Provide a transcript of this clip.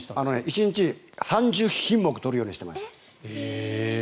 １日３０品目取るようにしてました。